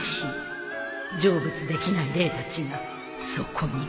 成仏できない霊たちがそこにもあそこにも。